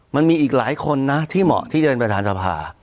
มันมีอีกหลายคนนะที่เหมาะที่จะเป็นประธานสภา